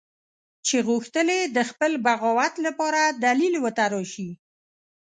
چې غوښتل یې د خپل بغاوت لپاره دلیل وتراشي.